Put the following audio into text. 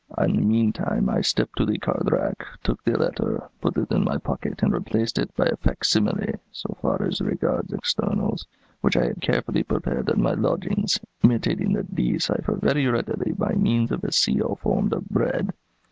In the meantime I stepped to the card rack, took the letter, put it in my pocket, and replaced it by a fac simile (so far as regards externals) which I had carefully prepared at my lodgings, imitating the D cipher very readily by means of a seal formed of bread.